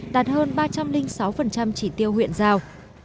đạt hơn ba trăm linh sáu chỉ tiêu huyện giao